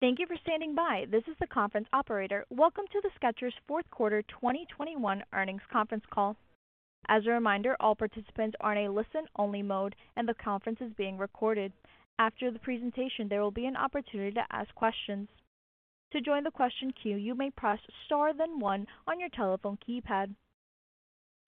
Thank you for standing by. This is the conference operator. Welcome to the Skechers' fourth quarter 2021 earnings conference call. As a reminder, all participants are in a listen-only mode, and the conference is being recorded. After the presentation, there will be an opportunity to ask questions. To join the question queue, you may press Star then one on your telephone keypad.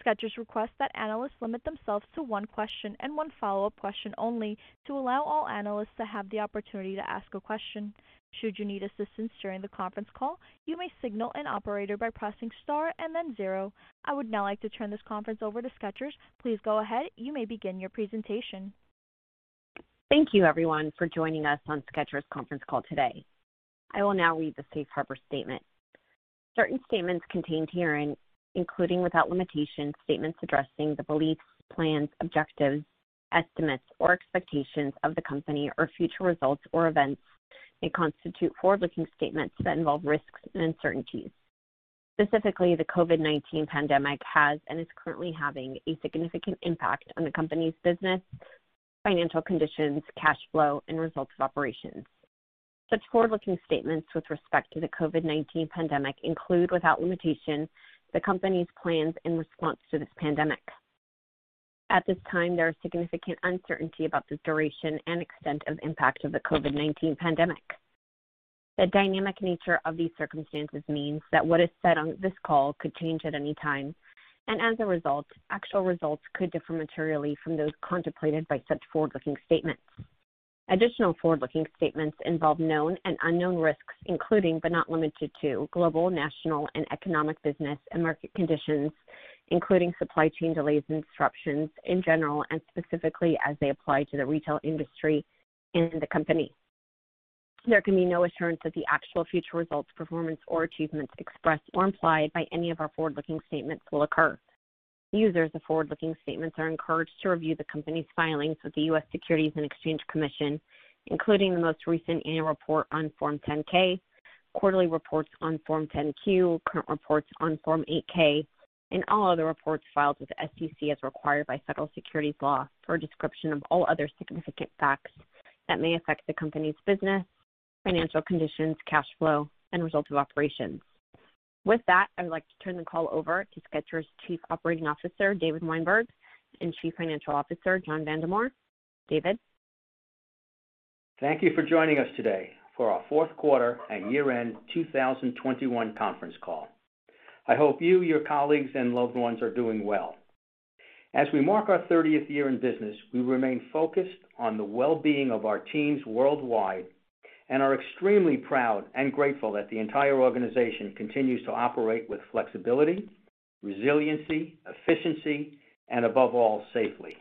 Skechers requests that analysts limit themselves to one question and one follow-up question only to allow all analysts to have the opportunity to ask a question. Should you need assistance during the conference call, you may signal an operator by pressing Star and then zero. I would now like to turn this conference over to Skechers. Please go ahead. You may begin your presentation. Thank you, everyone, for joining us on Skechers conference call today. I will now read the Safe Harbor statement. Certain statements contained herein, including without limitation, statements addressing the beliefs, plans, objectives, estimates, or expectations of the company or future results or events may constitute forward-looking statements that involve risks and uncertainties. Specifically, the COVID-19 pandemic has and is currently having a significant impact on the company's business, financial conditions, cash flow and results of operations. Such forward-looking statements with respect to the COVID-19 pandemic include, without limitation, the company's plans in response to this pandemic. At this time, there are significant uncertainties about the duration and extent of impact of the COVID-19 pandemic. The dynamic nature of these circumstances means that what is said on this call could change at any time, and as a result, actual results could differ materially from those contemplated by such forward-looking statements. Additional forward-looking statements involve known and unknown risks, including but not limited to, global, national, and economic business and market conditions, including supply chain delays and disruptions in general and specifically as they apply to the retail industry and the Company. There can be no assurance that the actual future results, performance or achievements expressed or implied by any of our forward-looking statements will occur. Users of forward-looking statements are encouraged to review the Company's filings with the U.S. Securities and Exchange Commission, including the most recent annual report on Form 10-K, quarterly reports on Form 10-Q, current reports on Form 8-K, and all other reports filed with the SEC as required by federal securities law for a description of all other significant facts that may affect the Company's business, financial conditions, cash flow, and results of operations. With that, I would like to turn the call over to Skechers Chief Operating Officer, David Weinberg, and Chief Financial Officer, John Vandemore. David. Thank you for joining us today for our fourth quarter and year-end 2021 conference call. I hope you, your colleagues, and loved ones are doing well. As we mark our 30th year in business, we remain focused on the well-being of our teams worldwide and are extremely proud and grateful that the entire organization continues to operate with flexibility, resiliency, efficiency, and above all, safely.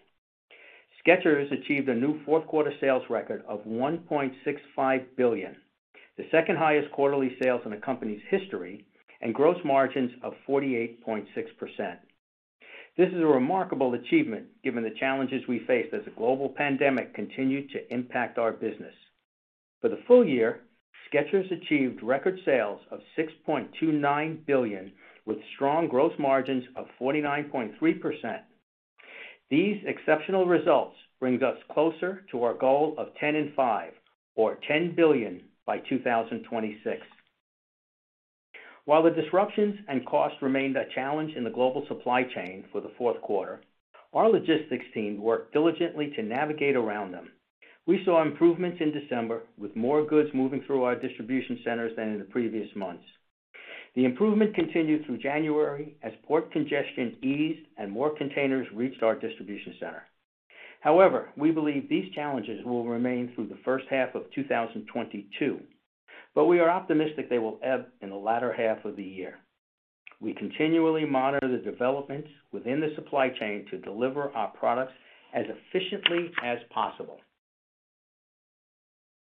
Skechers achieved a new fourth quarter sales record of $1.65 billion, the second highest quarterly sales in the company's history, and gross margins of 48.6%. This is a remarkable achievement given the challenges we faced as the global pandemic continued to impact our business. For the full year, Skechers achieved record sales of $6.29 billion, with strong gross margins of 49.3%. These exceptional results bring us closer to our goal of $10.5 billion or $10 billion by 2026. While the disruptions and costs remained a challenge in the global supply chain for the fourth quarter, our logistics team worked diligently to navigate around them. We saw improvements in December, with more goods moving through our distribution centers than in the previous months. The improvement continued through January as port congestion eased and more containers reached our distribution center. However, we believe these challenges will remain through the first half of 2022, but we are optimistic they will ebb in the latter half of the year. We continually monitor the developments within the supply chain to deliver our products as efficiently as possible.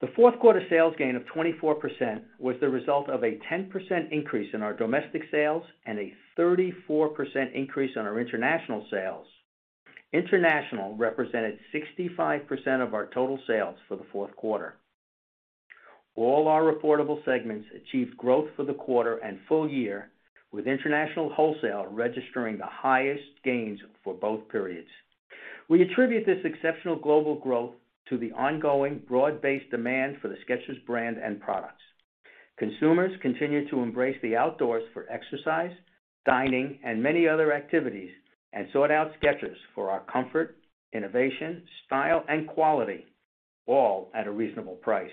The fourth quarter sales gain of 24% was the result of a 10% increase in our domestic sales and a 34% increase on our international sales. International represented 65% of our total sales for the fourth quarter. All our reportable segments achieved growth for the quarter and full year, with international wholesale registering the highest gains for both periods. We attribute this exceptional global growth to the ongoing broad-based demand for the Skechers brand and products. Consumers continue to embrace the outdoors for exercise, dining, and many other activities, and sought out Skechers for our comfort, innovation, style, and quality, all at a reasonable price.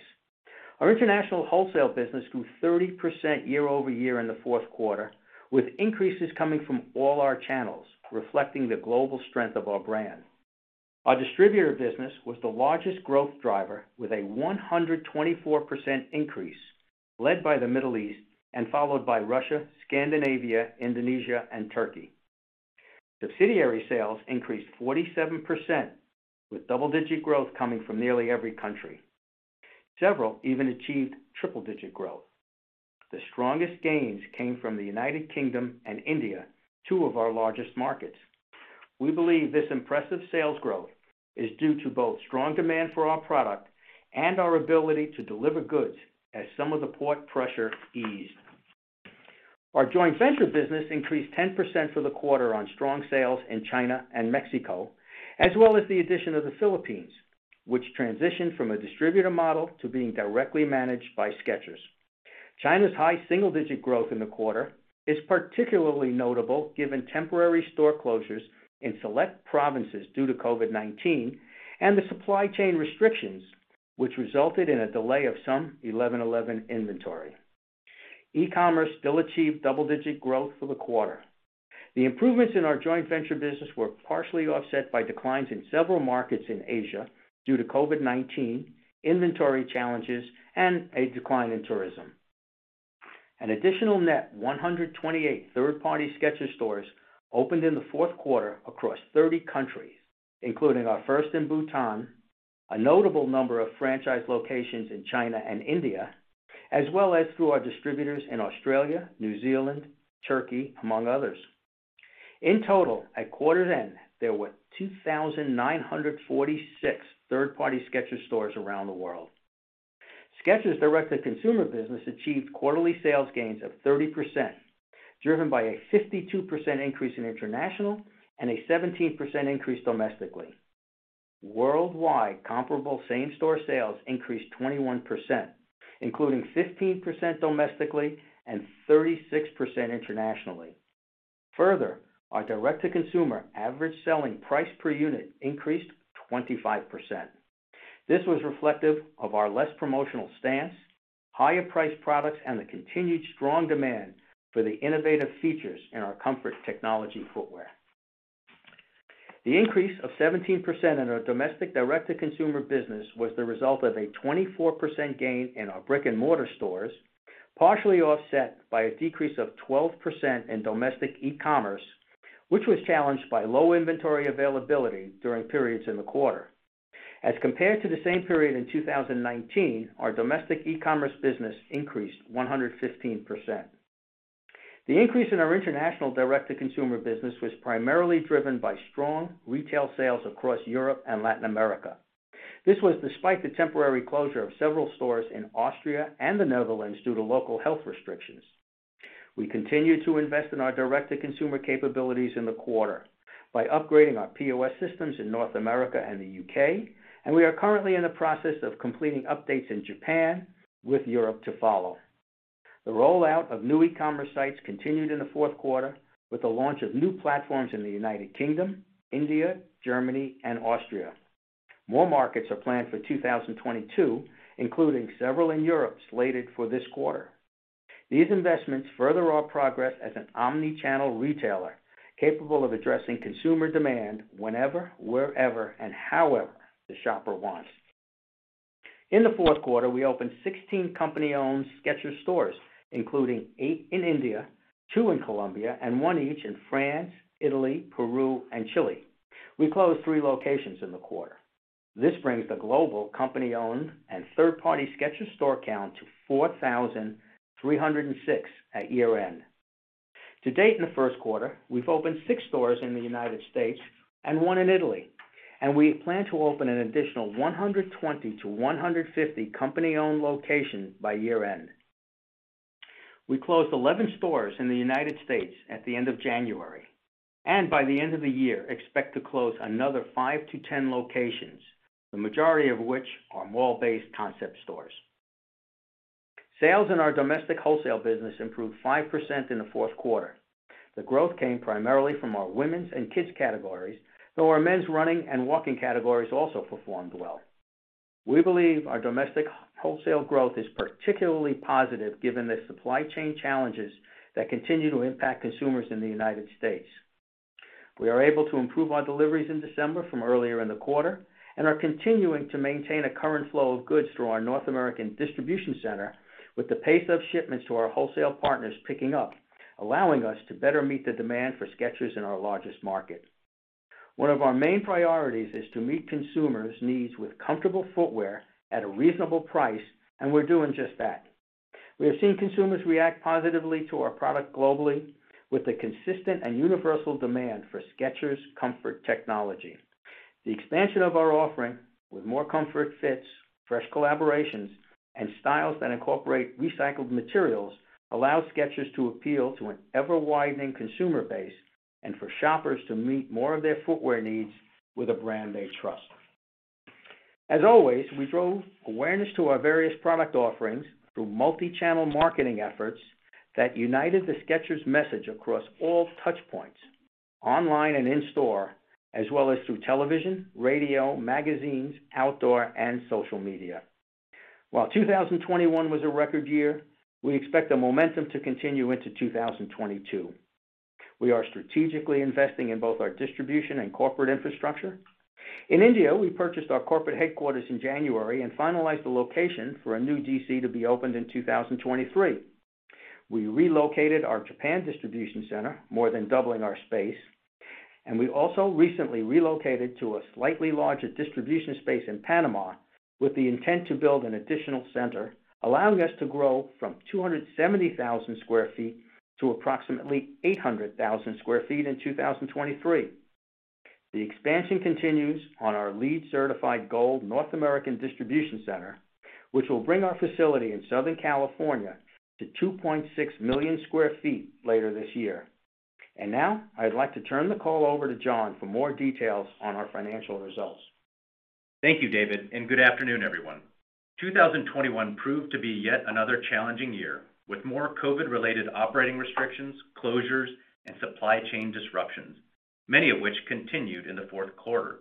Our international wholesale business grew 30% year-over-year in the fourth quarter, with increases coming from all our channels, reflecting the global strength of our brand. Our distributor business was the largest growth driver with a 124% increase led by the Middle East and followed by Russia, Scandinavia, Indonesia, and Turkey. Subsidiary sales increased 47%, with double-digit growth coming from nearly every country. Several even achieved triple-digit growth. The strongest gains came from the United Kingdom and India, two of our largest markets. We believe this impressive sales growth is due to both strong demand for our product and our ability to deliver goods as some of the port pressure eased. Our joint venture business increased 10% for the quarter on strong sales in China and Mexico, as well as the addition of the Philippines, which transitioned from a distributor model to being directly managed by Skechers. China's high single-digit growth in the quarter is particularly notable given temporary store closures in select provinces due to COVID-19 and the supply chain restrictions, which resulted in a delay of some 11.11 inventory. E-commerce still achieved double-digit growth for the quarter. The improvements in our joint venture business were partially offset by declines in several markets in Asia due to COVID-19, inventory challenges, and a decline in tourism. An additional net 128 third-party Skechers stores opened in the fourth quarter across 30 countries, including our first in Bhutan, a notable number of franchise locations in China and India, as well as through our distributors in Australia, New Zealand, Turkey, among others. In total, at quarter end, there were 2,946 third-party Skechers stores around the world. Skechers Direct-to-Consumer business achieved quarterly sales gains of 30%, driven by a 52% increase in international and a 17% increase domestically. Worldwide comparable same-store sales increased 21%, including 15% domestically and 36% internationally. Further, our Direct-to-Consumer average selling price per unit increased 25%. This was reflective of our less promotional stance, higher-priced products, and the continued strong demand for the innovative features in our comfort technology footwear. The increase of 17% in our domestic Direct-to-Consumer business was the result of a 24% gain in our brick-and-mortar stores, partially offset by a decrease of 12% in domestic e-commerce, which was challenged by low inventory availability during periods in the quarter. As compared to the same period in 2019, our domestic e-commerce business increased 115%. The increase in our international direct-to-consumer business was primarily driven by strong retail sales across Europe and Latin America. This was despite the temporary closure of several stores in Austria and the Netherlands due to local health restrictions. We continued to invest in our direct-to-consumer capabilities in the quarter by upgrading our POS systems in North America and the U.K., and we are currently in the process of completing updates in Japan, with Europe to follow. The rollout of new e-commerce sites continued in the fourth quarter with the launch of new platforms in the United Kingdom, India, Germany, and Austria. More markets are planned for 2022, including several in Europe slated for this quarter. These investments further our progress as an omni-channel retailer, capable of addressing consumer demand whenever, wherever, and however the shopper wants. In the fourth quarter, we opened 16 company-owned Skechers stores, including 8 in India, 2 in Colombia, and 1 each in France, Italy, Peru, and Chile. We closed 3 locations in the quarter. This brings the global company-owned and third-party Skechers store count to 4,306 at year-end. To date in the first quarter, we've opened 6 stores in the United States and 1 in Italy, and we plan to open an additional 120-150 company-owned locations by year-end. We closed 11 stores in the United States at the end of January, and by the end of the year, expect to close another 5-10 locations, the majority of which are mall-based concept stores. Sales in our domestic wholesale business improved 5% in the fourth quarter. The growth came primarily from our women's and kids' categories, though our men's running and walking categories also performed well. We believe our domestic wholesale growth is particularly positive given the supply chain challenges that continue to impact consumers in the United States. We are able to improve our deliveries in December from earlier in the quarter and are continuing to maintain a current flow of goods through our North American distribution center with the pace of shipments to our wholesale partners picking up, allowing us to better meet the demand for Skechers in our largest market. One of our main priorities is to meet consumers' needs with comfortable footwear at a reasonable price, and we're doing just that. We have seen consumers react positively to our product globally with a consistent and universal demand for Skechers comfort technology. The expansion of our offering with more comfort fits, fresh collaborations, and styles that incorporate recycled materials allows Skechers to appeal to an ever-widening consumer base and for shoppers to meet more of their footwear needs with a brand they trust. As always, we drove awareness to our various product offerings through multi-channel marketing efforts that united the Skechers message across all touch points, online and in-store, as well as through television, radio, magazines, outdoor, and social media. While 2021 was a record year, we expect the momentum to continue into 2022. We are strategically investing in both our distribution and corporate infrastructure. In India, we purchased our corporate headquarters in January and finalized the location for a new DC to be opened in 2023. We relocated our Japan distribution center, more than doubling our space, and we also recently relocated to a slightly larger distribution space in Panama with the intent to build an additional center, allowing us to grow from 270,000 sq ft to approximately 800,000 sq ft in 2023. The expansion continues on our LEED certified gold North American distribution center, which will bring our facility in Southern California to 2.6 million sq ft later this year. Now I'd like to turn the call over to John for more details on our financial results. Thank you, David, and good afternoon, everyone. 2021 proved to be yet another challenging year, with more COVID-related operating restrictions, closures, and supply chain disruptions, many of which continued in the fourth quarter.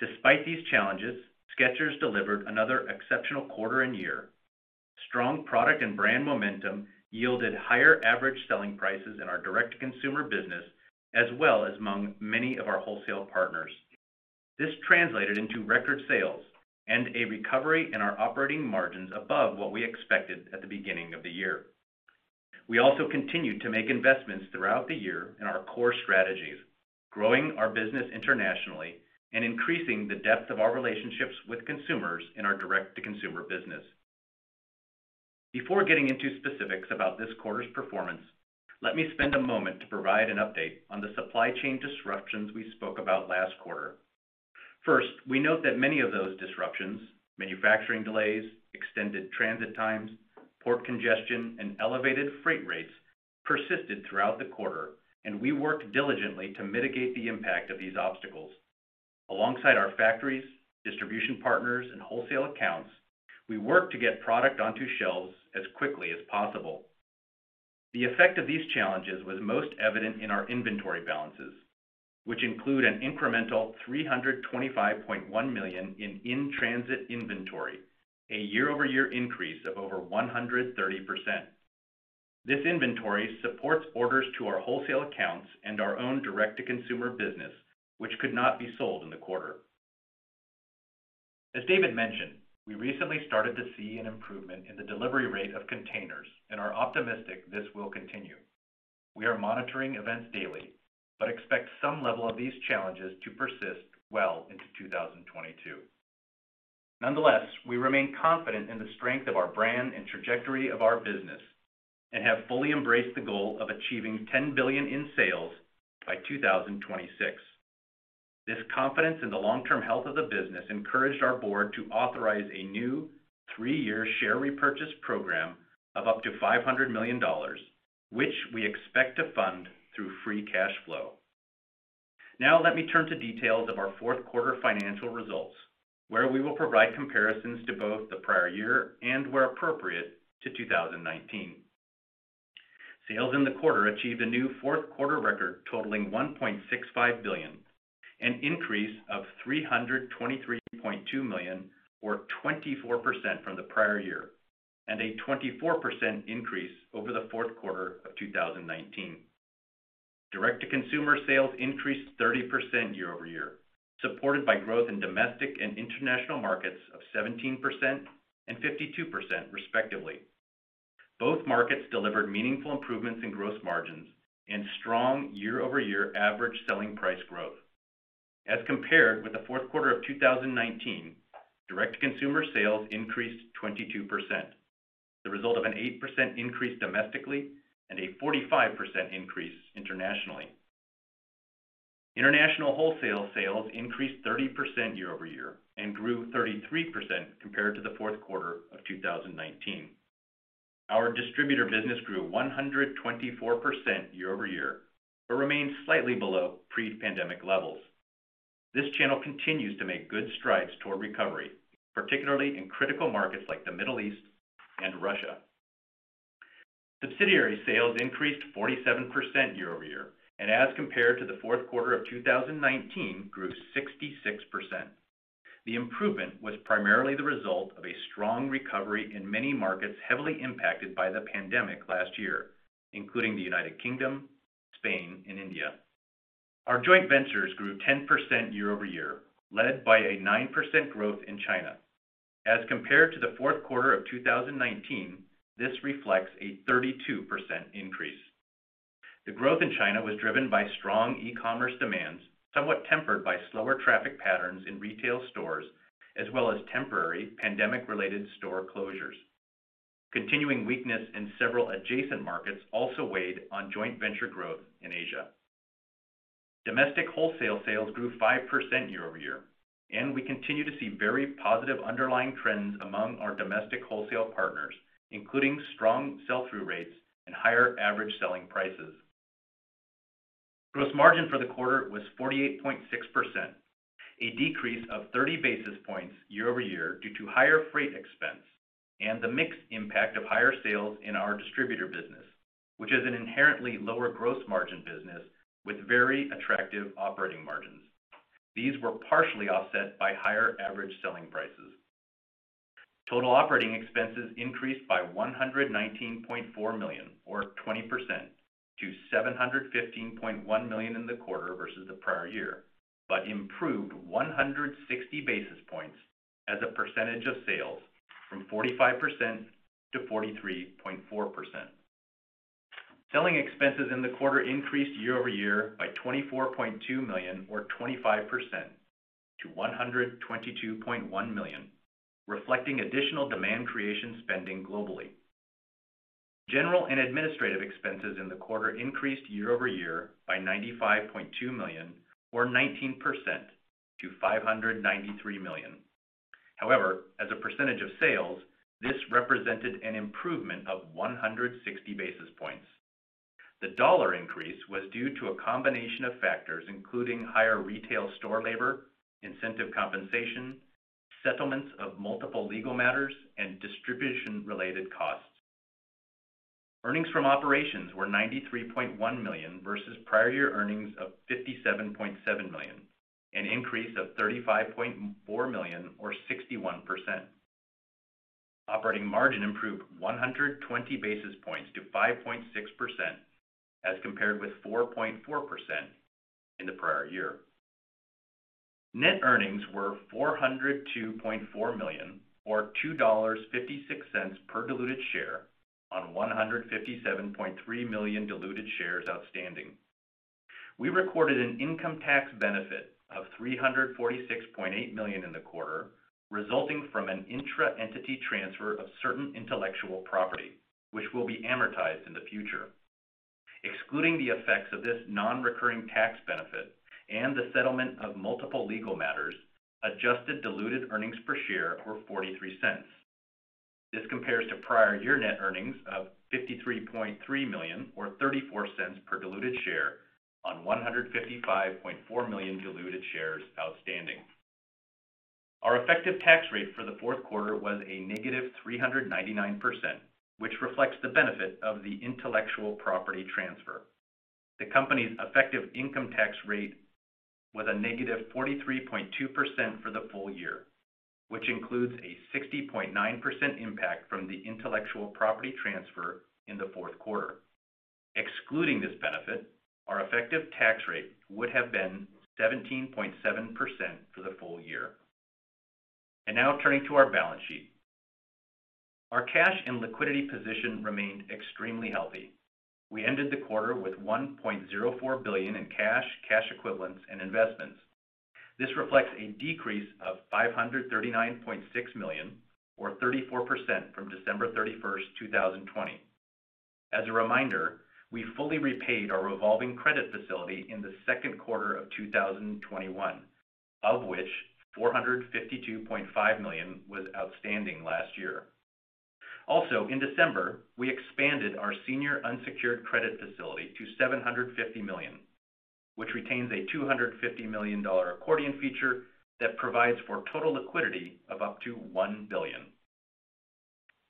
Despite these challenges, Skechers delivered another exceptional quarter and year. Strong product and brand momentum yielded higher average selling prices in our direct-to-consumer business, as well as among many of our wholesale partners. This translated into record sales and a recovery in our operating margins above what we expected at the beginning of the year. We also continued to make investments throughout the year in our core strategies, growing our business internationally and increasing the depth of our relationships with consumers in our direct-to-consumer business. Before getting into specifics about this quarter's performance, let me spend a moment to provide an update on the supply chain disruptions we spoke about last quarter. First, we note that many of those disruptions, manufacturing delays, extended transit times, port congestion, and elevated freight rates persisted throughout the quarter, and we worked diligently to mitigate the impact of these obstacles. Alongside our factories, distribution partners, and wholesale accounts, we worked to get product onto shelves as quickly as possible. The effect of these challenges was most evident in our inventory balances, which include an incremental $325.1 million in in-transit inventory, a year-over-year increase of over 130%. This inventory supports orders to our wholesale accounts and our own Direct-to-Consumer business, which could not be sold in the quarter. As David mentioned, we recently started to see an improvement in the delivery rate of containers and are optimistic this will continue. We are monitoring events daily, but expect some level of these challenges to persist well into 2022. Nonetheless, we remain confident in the strength of our brand and trajectory of our business and have fully embraced the goal of achieving $10 billion in sales by 2026. This confidence in the long-term health of the business encouraged our board to authorize a new three-year share repurchase program of up to $500 million, which we expect to fund through free cash flow. Now let me turn to details of our fourth quarter financial results, where we will provide comparisons to both the prior year and, where appropriate, to 2019. Sales in the quarter achieved a new fourth quarter record totaling $1.65 billion, an increase of $323.2 million or 24% from the prior year, and a 24% increase over the fourth quarter of 2019. Direct-to-Consumer sales increased 30% year-over-year, supported by growth in domestic and international markets of 17% and 52% respectively. Both markets delivered meaningful improvements in gross margins and strong year-over-year average selling price growth. As compared with the fourth quarter of 2019, Direct-to-Consumer sales increased 22%, the result of an 8% increase domestically and a 45% increase internationally. International wholesale sales increased 30% year-over-year and grew 33% compared to the fourth quarter of 2019. Our distributor business grew 124% year-over-year, but remains slightly below pre-pandemic levels. This channel continues to make good strides toward recovery, particularly in critical markets like the Middle East and Russia. Subsidiary sales increased 47% year-over-year and, as compared to the fourth quarter of 2019, grew 66%. The improvement was primarily the result of a strong recovery in many markets heavily impacted by the pandemic last year, including the United Kingdom, Spain, and India. Our joint ventures grew 10% year-over-year, led by a 9% growth in China. As compared to the fourth quarter of 2019, this reflects a 32% increase. The growth in China was driven by strong e-commerce demands, somewhat tempered by slower traffic patterns in retail stores, as well as temporary pandemic-related store closures. Continuing weakness in several adjacent markets also weighed on joint venture growth in Asia. Domestic wholesale sales grew 5% year-over-year, and we continue to see very positive underlying trends among our domestic wholesale partners, including strong sell-through rates and higher average selling prices. Gross margin for the quarter was 48.6%, a decrease of 30 basis points year-over-year due to higher freight expense and the mixed impact of higher sales in our distributor business, which is an inherently lower gross margin business with very attractive operating margins. These were partially offset by higher average selling prices. Total operating expenses increased by $119.4 million or 20% to $715.1 million in the quarter versus the prior year, but improved 160 basis points as a percentage of sales from 45% to 43.4%. Selling expenses in the quarter increased year-over-year by $24.2 million or 25% to $122.1 million, reflecting additional demand creation spending globally. General and administrative expenses in the quarter increased year-over-year by $95.2 million, or 19% to $593 million. However, as a percentage of sales, this represented an improvement of 160 basis points. The dollar increase was due to a combination of factors, including higher retail store labor, incentive compensation, settlements of multiple legal matters, and distribution-related costs. Earnings from operations were $93.1 million versus prior year earnings of $57.7 million, an increase of $35.4 million or 61%. Operating margin improved 120 basis points to 5.6% as compared with 4.4% in the prior year. Net earnings were $402.4 million, or $2.56 per diluted share on 157.3 million diluted shares outstanding. We recorded an income tax benefit of $346.8 million in the quarter, resulting from an intra-entity transfer of certain intellectual property, which will be amortized in the future. Excluding the effects of this non-recurring tax benefit and the settlement of multiple legal matters, adjusted diluted earnings per share were $0.43. This compares to prior year net earnings of $53.3 million, or $0.34 per diluted share on 155.4 million diluted shares outstanding. Our effective tax rate for the fourth quarter was -399%, which reflects the benefit of the intellectual property transfer. The company's effective income tax rate was -43.2% for the full year, which includes a 60.9% impact from the intellectual property transfer in the fourth quarter. Excluding this benefit, our effective tax rate would have been 17.7% for the full year. Now turning to our balance sheet. Our cash and liquidity position remained extremely healthy. We ended the quarter with $1.04 billion in cash equivalents, and investments. This reflects a decrease of $539.6 million, or 34% from December 31, 2020. As a reminder, we fully repaid our revolving credit facility in the second quarter of 2021, of which $452.5 million was outstanding last year. Also, in December, we expanded our senior unsecured credit facility to $750 million, which retains a $250 million accordion feature that provides for total liquidity of up to $1 billion.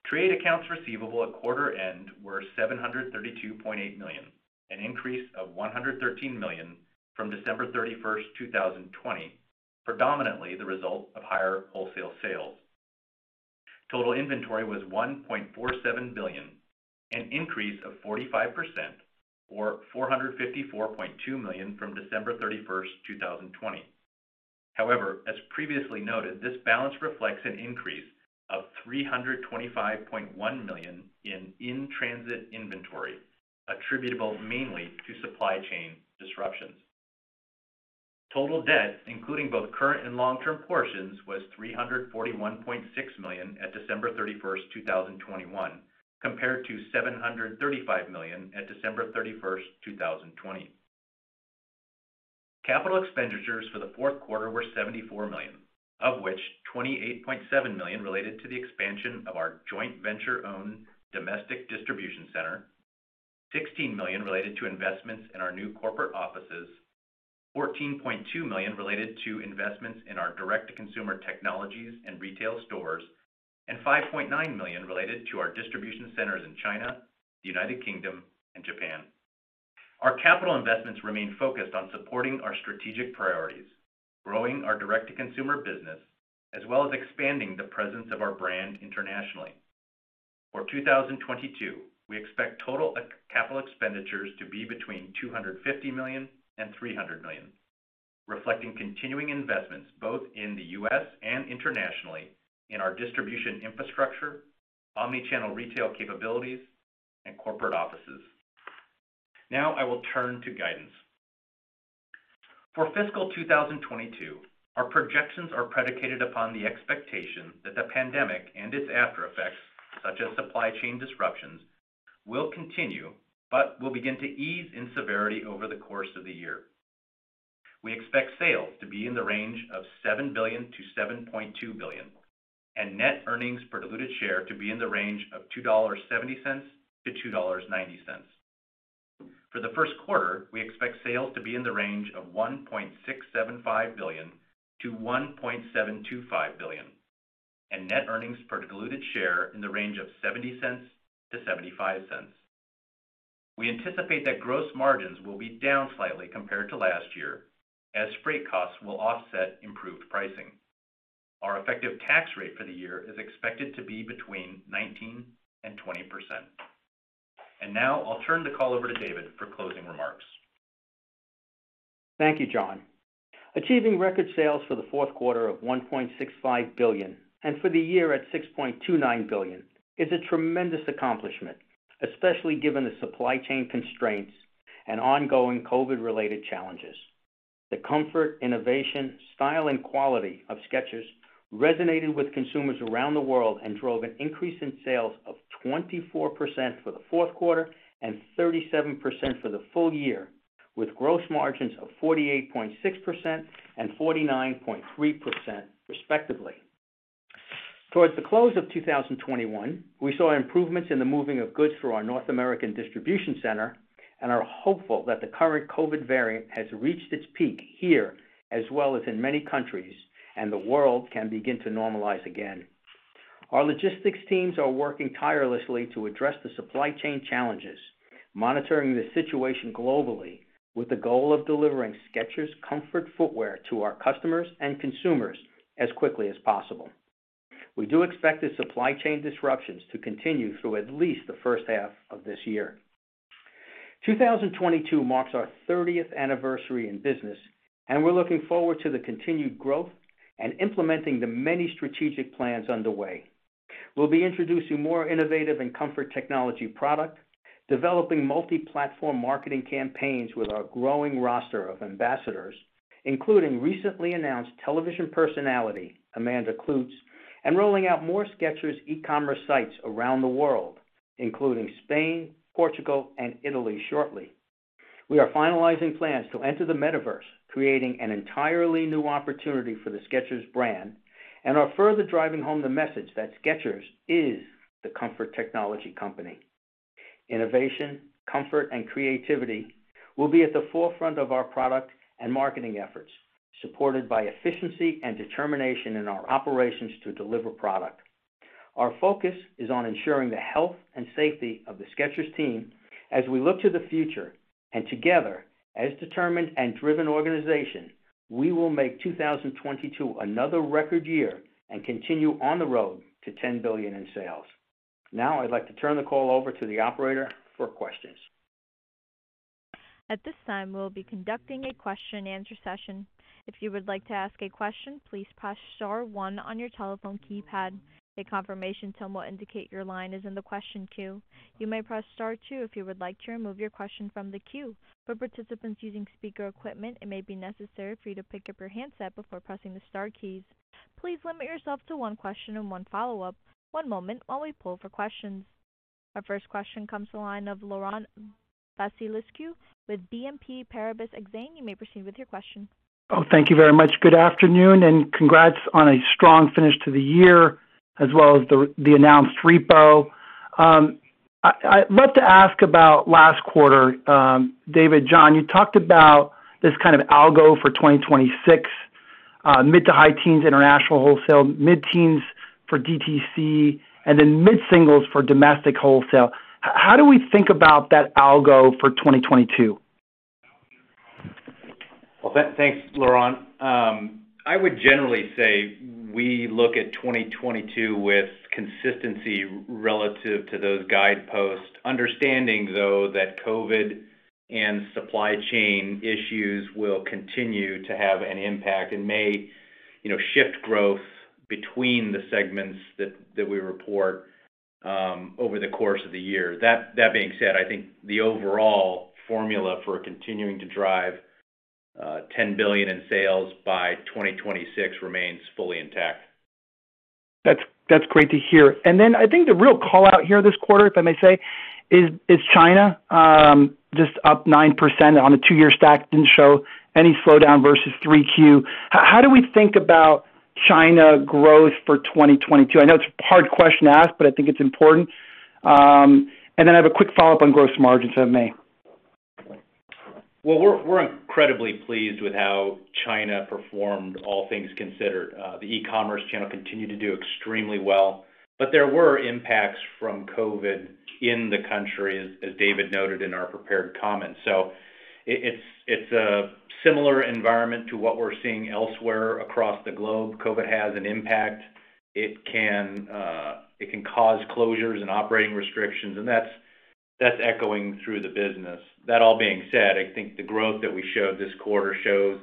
Trade accounts receivable at quarter end were $732.8 million, an increase of $113 million from December 31, 2020, predominantly the result of higher wholesale sales. Total inventory was $1.47 billion, an increase of 45% or $454.2 million from December 31, 2020. However, as previously noted, this balance reflects an increase of $325.1 million in in-transit inventory attributable mainly to supply chain disruptions. Total debt, including both current and long-term portions was $341.6 million at December 31, 2021, compared to $735 million at December 31, 2020. Capital expenditures for the fourth quarter were $74 million, of which $28.7 million related to the expansion of our joint venture-owned domestic distribution center, $16 million related to investments in our new corporate offices, $14.2 million related to investments in our direct-to-consumer technologies and retail stores, and $5.9 million related to our distribution centers in China, the United Kingdom, and Japan. Our capital investments remain focused on supporting our strategic priorities, growing our direct-to-consumer business, as well as expanding the presence of our brand internationally. For 2022, we expect total capital expenditures to be between $250 million and $300 million, reflecting continuing investments both in the U.S. and internationally in our distribution infrastructure, omnichannel retail capabilities, and corporate offices. Now I will turn to guidance. For fiscal 2022, our projections are predicated upon the expectation that the pandemic and its after effects, such as supply chain disruptions, will continue but will begin to ease in severity over the course of the year. We expect sales to be in the range of $7 billion-$7.2 billion, and net earnings per diluted share to be in the range of $2.70-$2.90. For the first quarter, we expect sales to be in the range of $1.675 billion-$1.725 billion, and net earnings per diluted share in the range of $0.70-$0.75. We anticipate that gross margins will be down slightly compared to last year as freight costs will offset improved pricing. Our effective tax rate for the year is expected to be between 19% and 20%. Now I'll turn the call over to David for closing remarks. Thank you, John. Achieving record sales for the fourth quarter of $1.65 billion and for the year at $6.29 billion is a tremendous accomplishment, especially given the supply chain constraints and ongoing COVID-related challenges. The comfort, innovation, style, and quality of Skechers resonated with consumers around the world and drove an increase in sales of 24% for the fourth quarter and 37% for the full year, with gross margins of 48.6% and 49.3% respectively. Towards the close of 2021, we saw improvements in the moving of goods through our North American distribution center and are hopeful that the current COVID variant has reached its peak here, as well as in many countries, and the world can begin to normalize again. Our logistics teams are working tirelessly to address the supply chain challenges, monitoring the situation globally with the goal of delivering Skechers comfort footwear to our customers and consumers as quickly as possible. We do expect the supply chain disruptions to continue through at least the first half of this year. 2022 marks our thirtieth anniversary in business, and we're looking forward to the continued growth and implementing the many strategic plans underway. We'll be introducing more innovative and comfort technology product, developing multi-platform marketing campaigns with our growing roster of ambassadors, including recently announced television personality, Amanda Kloots, and rolling out more Skechers e-commerce sites around the world, including Spain, Portugal, and Italy shortly. We are finalizing plans to enter the metaverse, creating an entirely new opportunity for the Skechers brand and are further driving home the message that Skechers is the comfort technology company. Innovation, comfort, and creativity will be at the forefront of our product and marketing efforts, supported by efficiency and determination in our operations to deliver product. Our focus is on ensuring the health and safety of the Skechers team as we look to the future, and together, as a determined and driven organization, we will make 2022 another record year and continue on the road to $10 billion in sales. Now, I'd like to turn the call over to the operator for questions. At this time, we'll be conducting a question and answer session. If you would like to ask a question, please press star one on your telephone keypad. A confirmation tone will indicate your line is in the question queue. You may press star two if you would like to remove your question from the queue. For participants using speaker equipment, it may be necessary for you to pick up your handset before pressing the star keys. Please limit yourself to one question and one follow-up. One moment while we pull for questions. Our first question comes to the line of Laurent Vasilescu with BNP Paribas Exane. You may proceed with your question. Oh, thank you very much. Good afternoon, and congrats on a strong finish to the year, as well as the announced repo. I'd love to ask about last quarter, David, John. You talked about this kind of algo for 2026, mid to high teens international wholesale, mid-teens for DTC, and then mid-singles for domestic wholesale. How do we think about that algo for 2022? Well, thanks, Laurent. I would generally say we look at 2022 with consistency relative to those guideposts. Understanding, though, that COVID-19 and supply chain issues will continue to have an impact and may, you know, shift growth between the segments that we report over the course of the year. That being said, I think the overall formula for continuing to drive $10 billion in sales by 2026 remains fully intact. That's great to hear. I think the real call out here this quarter, if I may say, is China, just up 9% on a two-year stack, didn't show any slowdown versus 3Q. How do we think about China growth for 2022? I know it's a hard question to ask, but I think it's important. I have a quick follow-up on gross margins, if I may. Well, we're incredibly pleased with how China performed, all things considered. The e-commerce channel continued to do extremely well, but there were impacts from COVID in the country, as David noted in our prepared comments. It's a similar environment to what we're seeing elsewhere across the globe. COVID has an impact. It can cause closures and operating restrictions, and that's echoing through the business. That all being said, I think the growth that we showed this quarter shows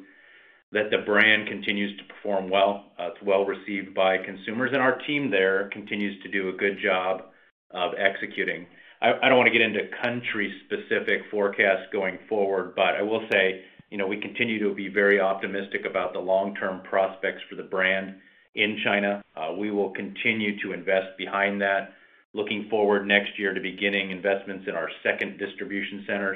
that the brand continues to perform well. It's well received by consumers, and our team there continues to do a good job of executing. I don't wanna get into country-specific forecasts going forward, but I will say, you know, we continue to be very optimistic about the long-term prospects for the brand in China. We will continue to invest behind that, looking forward next year to beginning investments in our second distribution center.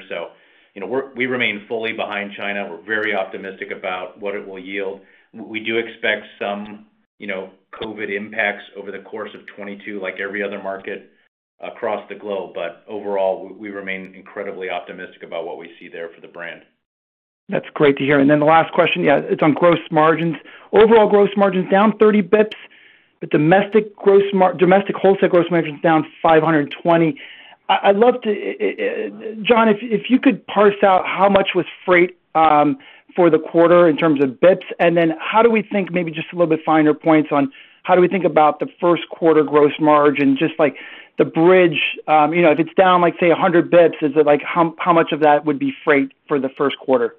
You know, we remain fully behind China. We're very optimistic about what it will yield. We do expect some, you know, COVID impacts over the course of 2022, like every other market across the globe. Overall, we remain incredibly optimistic about what we see there for the brand. That's great to hear. The last question, yeah, it's on gross margins. Overall gross margins down 30 basis points, but domestic wholesale gross margins down 520. I'd love to John, if you could parse out how much was freight for the quarter in terms of basis points, and then how do we think, maybe just a little bit finer points on how do we think about the first quarter gross margin? Just like the bridge, you know, if it's down like, say, 100 basis points, is it like how much of that would be freight for the first quarter?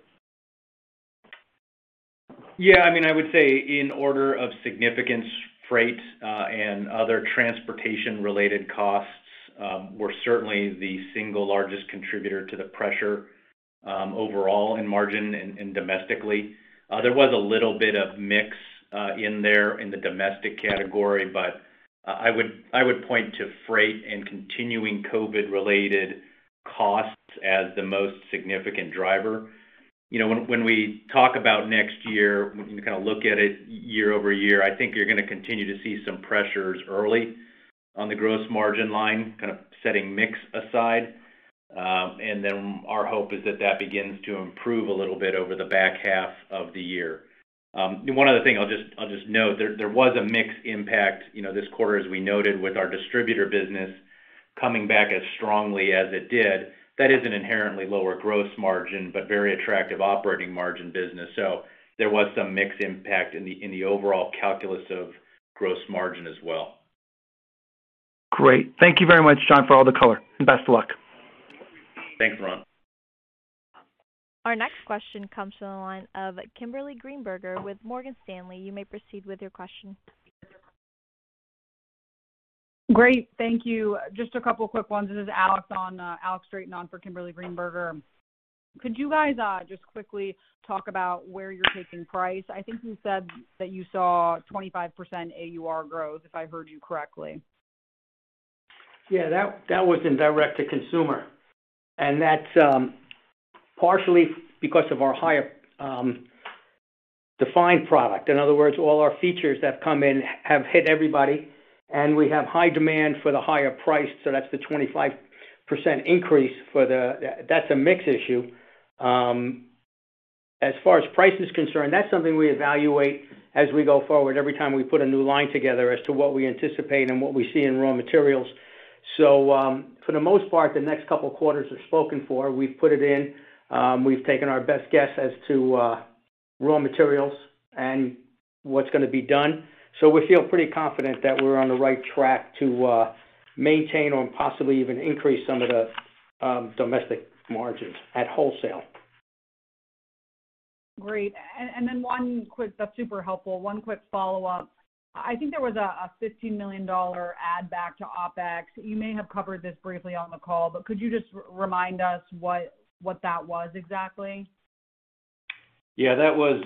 Yeah, I mean, I would say in order of significance, freight, and other transportation-related costs, were certainly the single largest contributor to the pressure, overall in margin and domestically. There was a little bit of mix, in there in the domestic category, but I would point to freight and continuing COVID-related costs as the most significant driver. You know, when we talk about next year, when we kind of look at it year-over-year, I think you're gonna continue to see some pressures early on the gross margin line, kind of setting mix aside. And then our hope is that that begins to improve a little bit over the back half of the year. One other thing I'll just note there. There was a mix impact, you know, this quarter as we noted with our distributor business coming back as strongly as it did. That is an inherently lower gross margin, but very attractive operating margin business. There was some mix impact in the overall calculus of gross margin as well. Great. Thank you very much, John, for all the color, and best of luck. Thanks, Ron. Our next question comes from the line of Kimberly Greenberger with Morgan Stanley. You may proceed with your question. Great, thank you. Just a couple quick ones. This is Alex Straton on for Kimberly Greenberger. Could you guys just quickly talk about where you're taking price? I think you said that you saw 25% AUR growth, if I heard you correctly. Yeah. That was in Direct-to-Consumer. That's partially because of our higher-end product. In other words, all our features that come in have hit everybody, and we have high demand for the higher price, so that's the 25% increase. That's a mix issue. As far as price is concerned, that's something we evaluate as we go forward every time we put a new line together as to what we anticipate and what we see in raw materials. For the most part, the next couple of quarters are spoken for. We've put it in. We've taken our best guess as to raw materials and what's gonna be done. We feel pretty confident that we're on the right track to maintain or possibly even increase some of the domestic margins at wholesale. Great. That's super helpful. One quick follow-up. I think there was a $15 million add back to OpEx. You may have covered this briefly on the call, but could you just remind us what that was exactly? Yeah. That was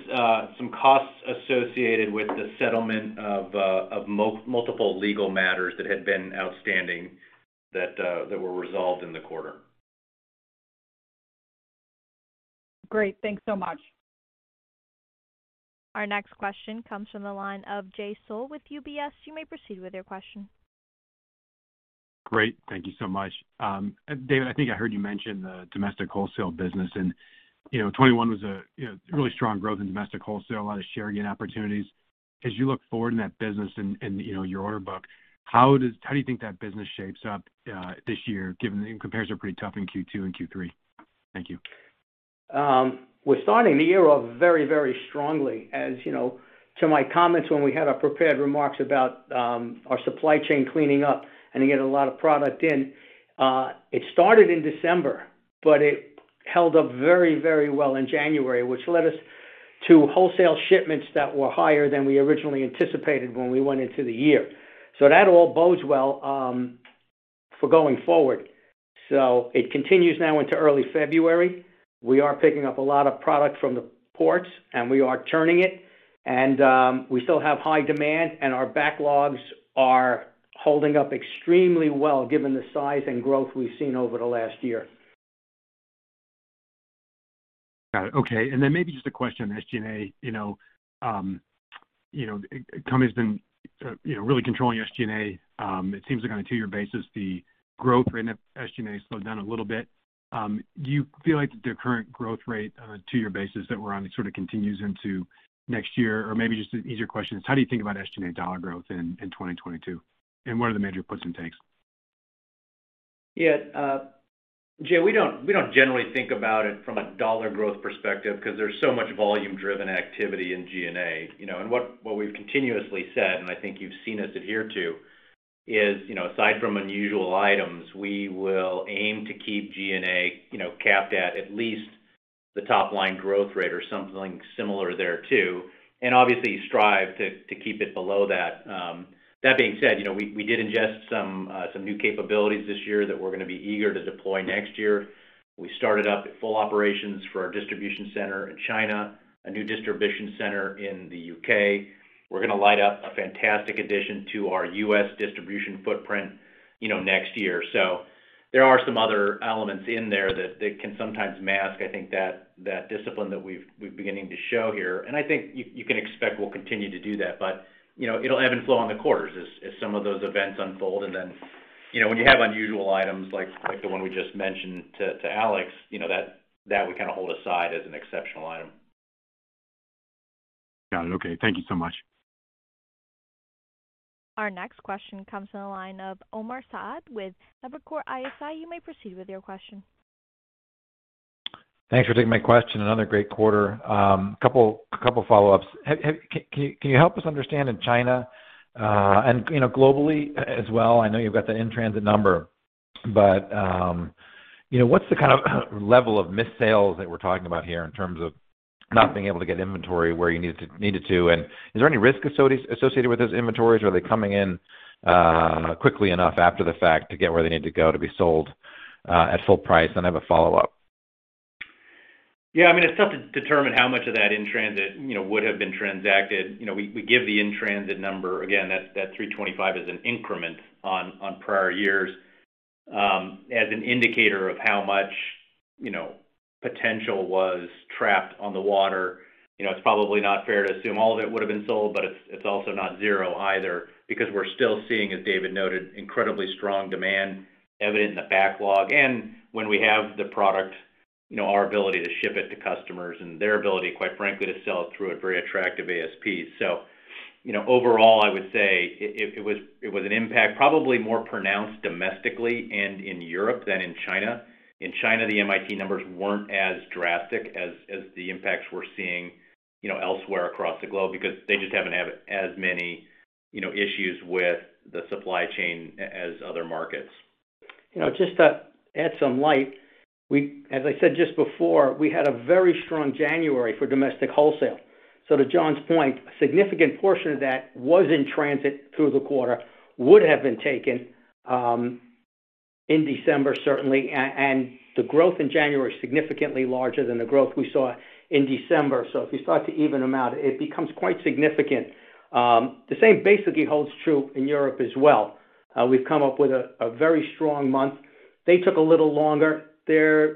some costs associated with the settlement of multiple legal matters that had been outstanding that were resolved in the quarter. Great. Thanks so much. Our next question comes from the line of Jay Sole with UBS. You may proceed with your question. Great. Thank you so much. David, I think I heard you mention the domestic wholesale business and, you know, 2021 was, you know, really strong growth in domestic wholesale, a lot of share gain opportunities. As you look forward in that business and, you know, your order book, how do you think that business shapes up, this year, given the comparisons are pretty tough in Q2 and Q3? Thank you. We're starting the year off very, very strongly. As you know, to my comments when we had our prepared remarks about, our supply chain cleaning up and to get a lot of product in, it started in December, but it held up very, very well in January, which led us to wholesale shipments that were higher than we originally anticipated when we went into the year. That all bodes well for going forward. It continues now into early February. We are picking up a lot of product from the ports and we are turning it. We still have high demand and our backlogs are holding up extremely well given the size and growth we've seen over the last year. Got it. Okay. Maybe just a question on SG&A. You know, the company's been really controlling SG&A. It seems like on a two-year basis, the growth rate in SG&A slowed down a little bit. Do you feel like the current growth rate on a two-year basis that we're on sort of continues into next year? Or maybe just an easier question is how do you think about SG&A dollar growth in 2022? And what are the major puts and takes? Yeah. Jay, we don't generally think about it from a dollar growth perspective because there's so much volume driven activity in G&A. You know, what we've continuously said, and I think you've seen us adhere to, is, you know, aside from unusual items, we will aim to keep G&A, you know, capped at least the top line growth rate or something similar there too, and obviously strive to keep it below that. That being said, you know, we did ingest some new capabilities this year that we're gonna be eager to deploy next year. We started up full operations for our distribution center in China, a new distribution center in the U.K. We're gonna light up a fantastic addition to our U.S. distribution footprint, you know, next year. There are some other elements in there that can sometimes mask, I think that discipline that we're beginning to show here. I think you can expect we'll continue to do that. You know, it'll ebb and flow in the quarters as some of those events unfold. Then, you know, when you have unusual items like the one we just mentioned to Alex, you know, that we kinda hold aside as an exceptional item. Got it. Okay, thank you so much. Our next question comes from the line of Omar Saad with Evercore ISI. You may proceed with your question. Thanks for taking my question. Another great quarter. A couple follow-ups. Can you help us understand in China, and you know, globally as well? I know you've got the in-transit number. You know, what's the kind of level of missed sales that we're talking about here in terms of not being able to get inventory where you needed to? And is there any risk associated with those inventories? Are they coming in quickly enough after the fact to get where they need to go to be sold at full price? And I have a follow-up. Yeah. I mean, it's tough to determine how much of that in-transit, you know, would have been transacted. You know, we give the in-transit number. Again, that 325 is an increment on prior years, as an indicator of how much, you know, potential was trapped on the water. You know, it's probably not fair to assume all of it would've been sold, but it's also not zero either because we're still seeing, as David noted, incredibly strong demand evident in the backlog. When we have the product, you know, our ability to ship it to customers and their ability, quite frankly, to sell it through at very attractive ASPs. You know, overall, I would say it was an impact probably more pronounced domestically and in Europe than in China. In China, the in-transit numbers weren't as drastic as the impacts we're seeing, you know, elsewhere across the globe because they just haven't had as many, you know, issues with the supply chain as other markets. You know, just to add some light, we as I said just before, we had a very strong January for domestic wholesale. To John's point, a significant portion of that was in-transit through the quarter, would have been taken in December certainly. The growth in January is significantly larger than the growth we saw in December. If you start to even them out, it becomes quite significant. The same basically holds true in Europe as well. We had a very strong month. They took a little longer. They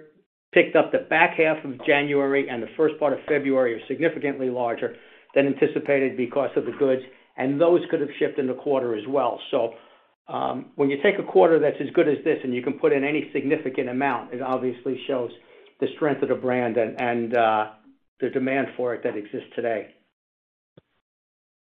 picked up the back half of January and the first part of February are significantly larger than anticipated because of the goods, and those could have shipped in the quarter as well. when you take a quarter that's as good as this and you can put in any significant amount, it obviously shows the strength of the brand and the demand for it that exists today.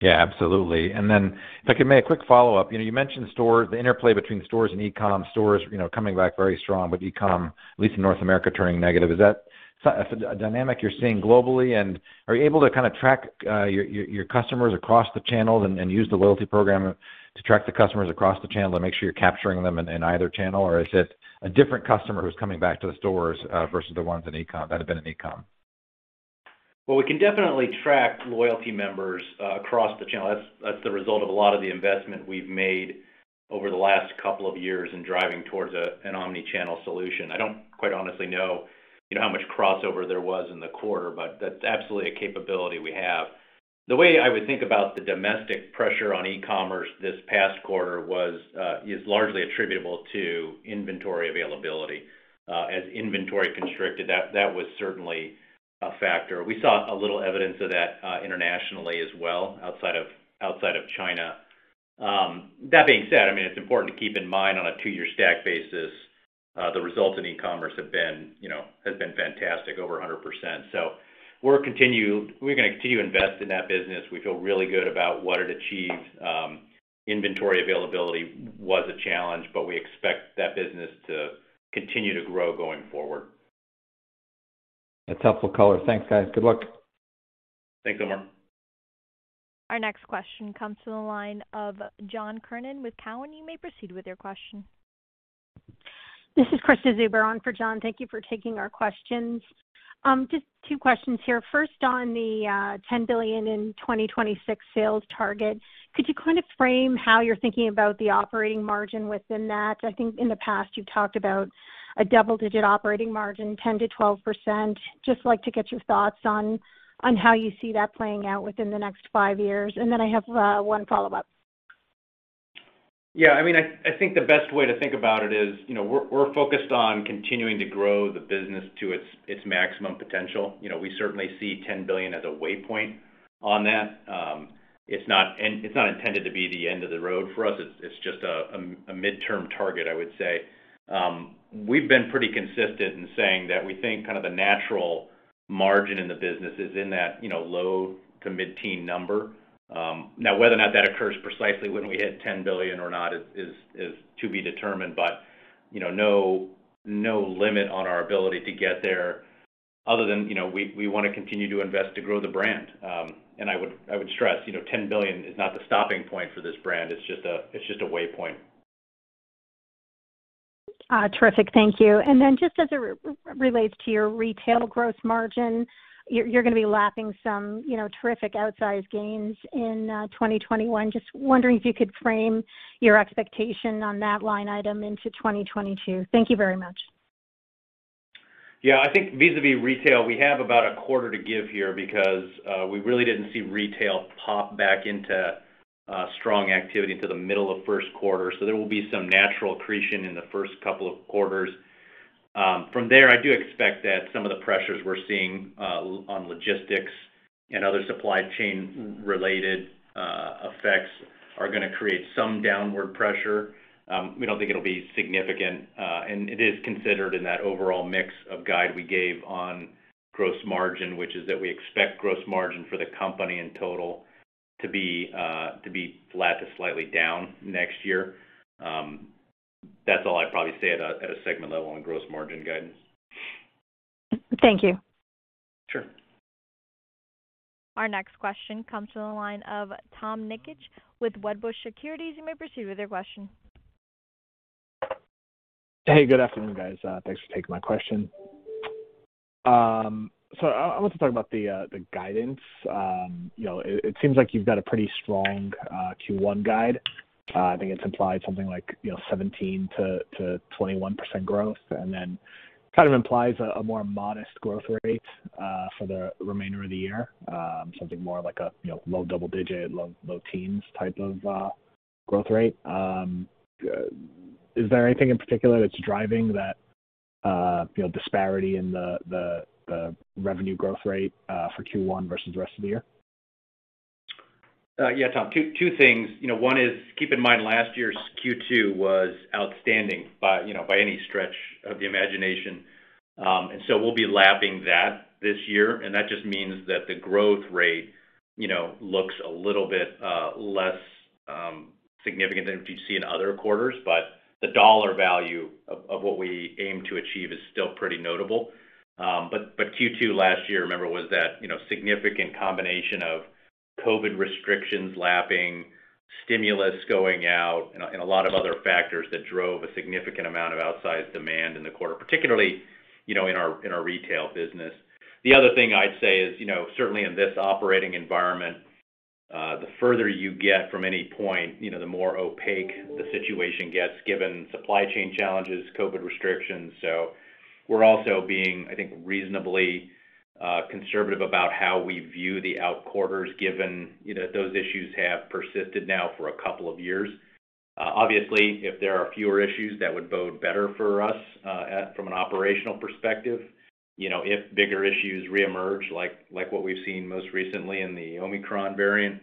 Yeah, absolutely. If I could make a quick follow-up. You know, you mentioned stores, the interplay between stores and e-com. Stores, you know, coming back very strong with e-com, at least in North America, turning negative. Is that a dynamic you're seeing globally? Are you able to kinda track your customers across the channels and use the loyalty program to track the customers across the channel to make sure you're capturing them in either channel? Is it a different customer who's coming back to the stores versus the ones in e-com that have been in e-com? Well, we can definitely track loyalty members across the channel. That's the result of a lot of the investment we've made over the last couple of years in driving towards an omni-channel solution. I don't quite honestly know, you know, how much crossover there was in the quarter, but that's absolutely a capability we have. The way I would think about the domestic pressure on e-commerce this past quarter is largely attributable to inventory availability. As inventory constricted, that was certainly a factor. We saw a little evidence of that internationally as well outside of China. That being said, I mean, it's important to keep in mind on a two-year stack basis the results in e-commerce have been, you know, has been fantastic, over 100%. We're gonna continue to invest in that business. We feel really good about what it achieved. Inventory availability was a challenge, but we expect that business to continue to grow going forward. That's helpful color. Thanks, guys. Good luck. Thanks so much. Yeah. Our next question comes to the line of John Kernan with Deutsche Bank. You may proceed with your question. This is Krisztina Katai on for John. Thank you for taking our questions. Just two questions here. First on the $10 billion in 2026 sales target. Could you kind of frame how you're thinking about the operating margin within that? I think in the past you've talked about a double-digit operating margin, 10%-12%. Just like to get your thoughts on how you see that playing out within the next five years. I have one follow-up. Yeah, I mean, I think the best way to think about it is, you know, we're focused on continuing to grow the business to its maximum potential. You know, we certainly see $10 billion as a waypoint on that. It's not intended to be the end of the road for us. It's just a midterm target, I would say. We've been pretty consistent in saying that we think kind of the natural margin in the business is in that, you know, low- to mid-teens %. Now whether or not that occurs precisely when we hit $10 billion or not is to be determined. You know, no limit on our ability to get there other than, you know, we wanna continue to invest to grow the brand. I would stress, you know, 10 billion is not the stopping point for this brand. It's just a waypoint. Terrific. Thank you. Just as it relates to your retail gross margin, you're gonna be lapping some, you know, terrific outsized gains in 2021. Just wondering if you could frame your expectation on that line item into 2022. Thank you very much. Yeah. I think vis-à-vis retail, we have about a quarter to give here because we really didn't see retail pop back into strong activity until the middle of first quarter. There will be some natural accretion in the first couple of quarters. From there, I do expect that some of the pressures we're seeing on logistics and other supply chain related effects are gonna create some downward pressure. We don't think it'll be significant. And it is considered in that overall mix of guide we gave on gross margin, which is that we expect gross margin for the company in total to be flat to slightly down next year. That's all I'd probably say at a segment level on gross margin guidance. Thank you. Sure. Our next question comes from the line of Tom Nikic with Wedbush Securities. You may proceed with your question. Hey, good afternoon, guys. Thanks for taking my question. So I want to talk about the guidance. You know, it seems like you've got a pretty strong Q1 guide. I think it's implied something like, you know, 17%-21% growth, and then kind of implies a more modest growth rate for the remainder of the year, something more like a, you know, low double-digit, low-teens type of growth rate. Is there anything in particular that's driving that, you know, disparity in the revenue growth rate for Q1 versus the rest of the year? Yeah, Tom. Two things. You know, one is keep in mind last year's Q2 was outstanding by, you know, by any stretch of the imagination. We'll be lapping that this year, and that just means that the growth rate, you know, looks a little bit less significant than what you'd see in other quarters. The dollar value of what we aim to achieve is still pretty notable. Q2 last year, remember, was that, you know, significant combination of COVID restrictions, lapping stimulus going out, and a lot of other factors that drove a significant amount of outsized demand in the quarter, particularly, you know, in our retail business. The other thing I'd say is, you know, certainly in this operating environment, the further you get from any point, you know, the more opaque the situation gets given supply chain challenges, COVID restrictions. We're also being, I think, reasonably conservative about how we view the out quarters given, you know, those issues have persisted now for a couple of years. Obviously, if there are fewer issues, that would bode better for us from an operational perspective. You know, if bigger issues reemerge, like what we've seen most recently in the Omicron variant,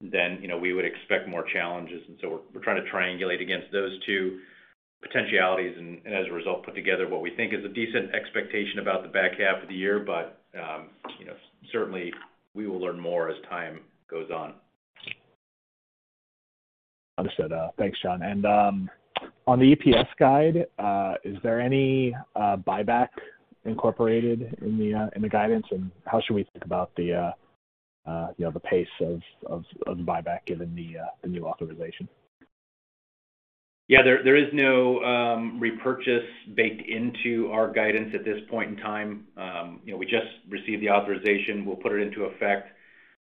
then, you know, we would expect more challenges. We're trying to triangulate against those two potentialities and as a result, put together what we think is a decent expectation about the back half of the year. you know, certainly we will learn more as time goes on. Understood. Thanks, John. On the EPS guide, is there any buyback incorporated in the guidance? How should we think about you know, the pace of buyback given the new authorization? Yeah. There is no repurchase baked into our guidance at this point in time. You know, we just received the authorization. We'll put it into effect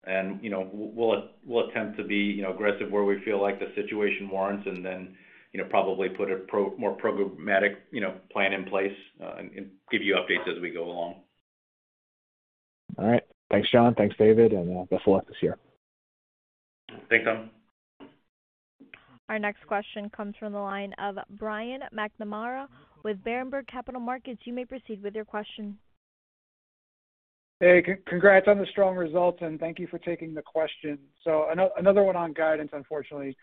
and, you know, we'll attempt to be, you know, aggressive where we feel like the situation warrants, and then, you know, probably put a more programmatic, you know, plan in place, and give you updates as we go along. All right. Thanks, John. Thanks, David, and best of luck this year. Thanks, Tom. Our next question comes from the line of Brian McNamara with Berenberg Capital Markets. You may proceed with your question. Hey, congrats on the strong results, and thank you for taking the question. Another one on guidance, unfortunately.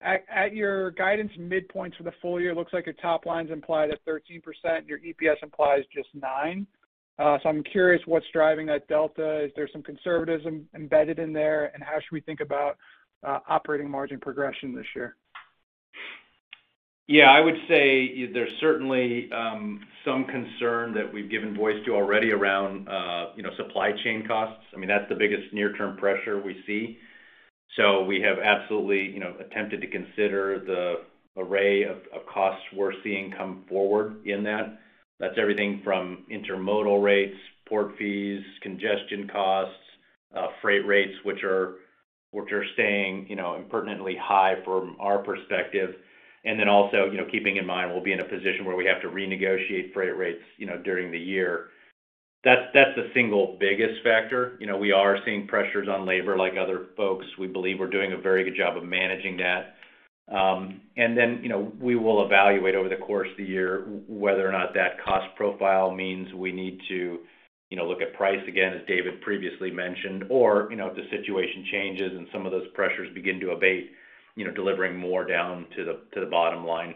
At your guidance midpoint for the full year, looks like your top line's implied at 13%. Your EPS implied is just 9%. I'm curious what's driving that delta. Is there some conservatism embedded in there, and how should we think about operating margin progression this year? Yeah. I would say there's certainly some concern that we've given voice to already around, you know, supply chain costs. I mean, that's the biggest near-term pressure we see. We have absolutely, you know, attempted to consider the array of costs we're seeing come forward in that. That's everything from intermodal rates, port fees, congestion costs, freight rates, which are staying, you know, inordinately high from our perspective. Then also, you know, keeping in mind we'll be in a position where we have to renegotiate freight rates, you know, during the year. That's the single biggest factor. You know, we are seeing pressures on labor like other folks. We believe we're doing a very good job of managing that. you know, we will evaluate over the course of the year whether or not that cost profile means we need to, you know, look at price again, as David previously mentioned, or, you know, if the situation changes and some of those pressures begin to abate, you know, delivering more down to the bottom line.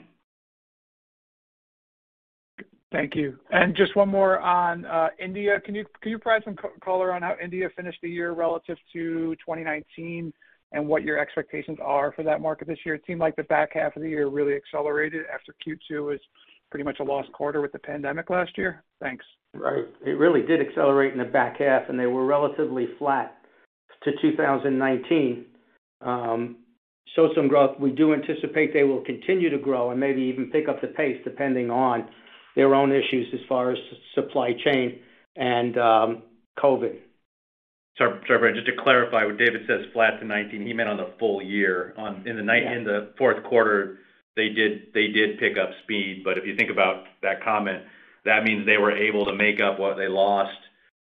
Thank you. Just one more on India. Can you provide some color on how India finished the year relative to 2019 and what your expectations are for that market this year? It seemed like the back half of the year really accelerated after Q2 was pretty much a lost quarter with the pandemic last year. Thanks. Right. It really did accelerate in the back half, and they were relatively flat to 2019. They showed some growth. We do anticipate they will continue to grow and maybe even pick up the pace, depending on their own issues as far as supply chain and COVID. Sorry, Brian, just to clarify, when David says flat to 19, he meant on the full year. Yeah. In the fourth quarter, they did pick up speed. If you think about that comment, that means they were able to make up what they lost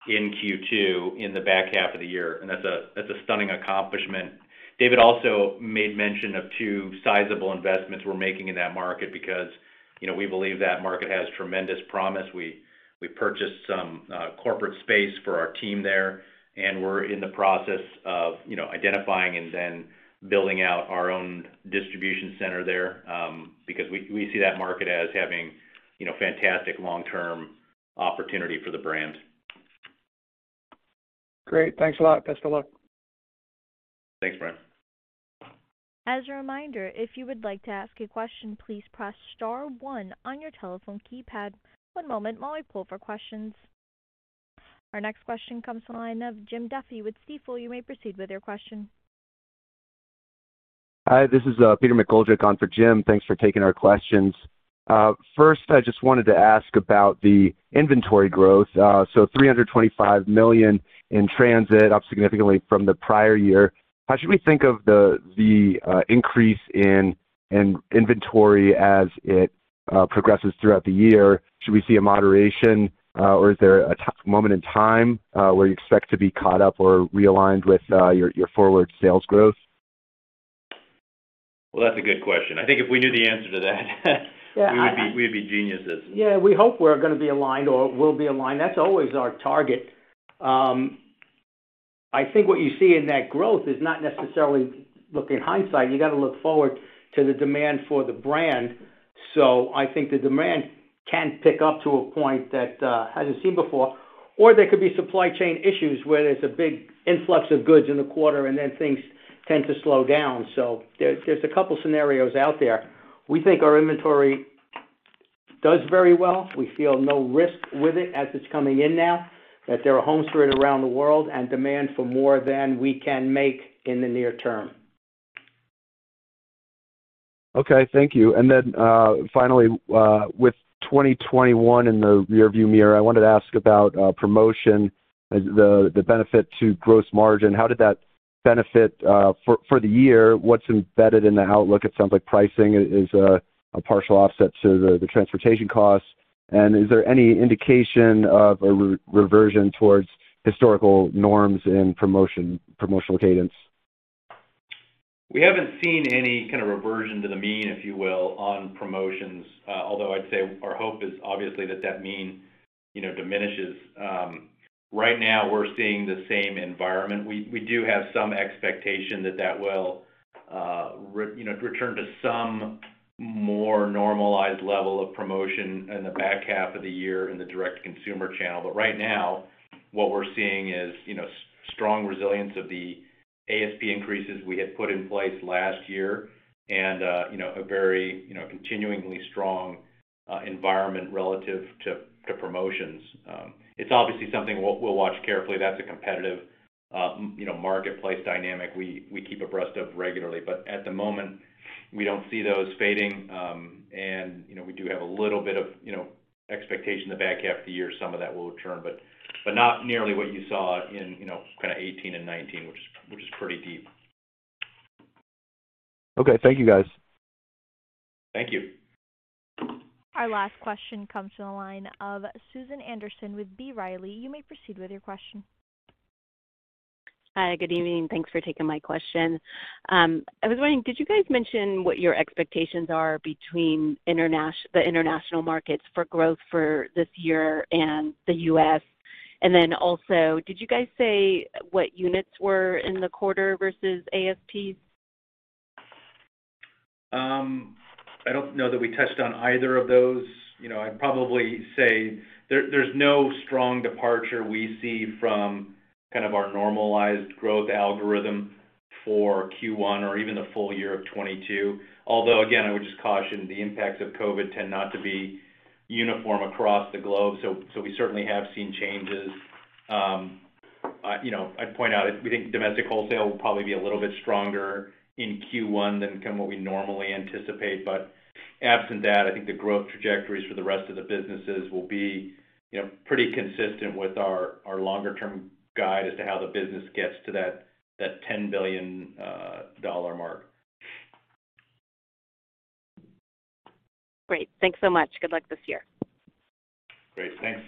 in Q2 in the back half of the year. That's a stunning accomplishment. David also made mention of two sizable investments we're making in that market because, you know, we believe that market has tremendous promise. We purchased some corporate space for our team there, and we're in the process of, you know, identifying and then building out our own distribution center there, because we see that market as having, you know, fantastic long-term opportunity for the brand. Great. Thanks a lot. Best of luck. Thanks, Brian. As a reminder, if you would like to ask a question, please press star one on your telephone keypad. One moment while we poll for questions. Our next question comes to the line of Jim Duffy with Stifel. You may proceed with your question. Hi, this is Peter McGoldrick on for Jim. Thanks for taking our questions. First, I just wanted to ask about the inventory growth. So $325 million in transit, up significantly from the prior year. How should we think of the increase in inventory as it progresses throughout the year? Should we see a moderation, or is there a moment in time where you expect to be caught up or realigned with your forward sales growth? Well, that's a good question. I think if we knew the answer to that, we would be geniuses. Yeah, we hope we're gonna be aligned or will be aligned. That's always our target. I think what you see in that growth is not necessarily look in hindsight. You got to look forward to the demand for the brand. I think the demand can pick up to a point that hasn't seen before, or there could be supply chain issues where there's a big influx of goods in the quarter, and then things tend to slow down. There's a couple scenarios out there. We think our inventory does very well. We feel no risk with it as it's coming in now, that there are homes for it around the world and demand for more than we can make in the near term. Okay, thank you. Finally, with 2021 in the rearview mirror, I wanted to ask about promotion, the benefit to gross margin. How did that benefit for the year? What's embedded in the outlook? It sounds like pricing is a partial offset to the transportation costs. Is there any indication of a reversion towards historical norms in promotion, promotional cadence? We haven't seen any kind of reversion to the mean, if you will, on promotions. Although I'd say our hope is obviously that mean, you know, diminishes. Right now, we're seeing the same environment. We do have some expectation that will return to some more normalized level of promotion in the back half of the year in the direct consumer channel. Right now, what we're seeing is, you know, strong resilience of the ASP increases we had put in place last year and, you know, a very, you know, continuingly strong environment relative to promotions. It's obviously something we'll watch carefully. That's a competitive, you know, marketplace dynamic we keep abreast of regularly. At the moment, we don't see those fading. you know, we do have a little bit of, you know, expectation the back half of the year, some of that will return, but not nearly what you saw in, you know, kind of 2018 and 2019, which is pretty deep. Okay, thank you, guys. Thank you. Our last question comes from the line of Susan Anderson with B. Riley. You may proceed with your question. Hi, good evening. Thanks for taking my question. I was wondering, did you guys mention what your expectations are between the international markets for growth for this year and the U.S.? Then also, did you guys say what units were in the quarter versus ASPs? I don't know that we touched on either of those. You know, I'd probably say there's no strong departure we see from kind of our normalized growth algorithm for Q1 or even the full year of 2022. Although, again, I would just caution the impacts of COVID tend not to be uniform across the globe. So we certainly have seen changes. You know, I'd point out we think domestic wholesale will probably be a little bit stronger in Q1 than kind of what we normally anticipate. But absent that, I think the growth trajectories for the rest of the businesses will be, you know, pretty consistent with our longer term guide as to how the business gets to that $10 billion dollar mark. Great. Thanks so much. Good luck this year. Great. Thanks.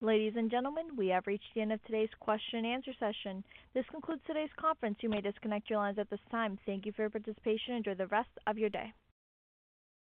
Ladies and gentlemen, we have reached the end of today's question and answer session. This concludes today's conference. You may disconnect your lines at this time. Thank you for your participation and enjoy the rest of your day.